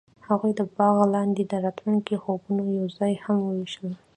هغوی د باغ لاندې د راتلونکي خوبونه یوځای هم وویشل.